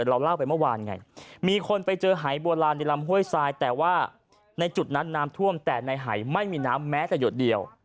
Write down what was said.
เราเล่าไปเมื่อวานไงมีคนไปเจอหายโบราณในลำห้วยทรายแต่ว่าในจุดนั้นน้ำท่วมแต่ในหายไม่มีน้ำแม้แต่หยดเดียว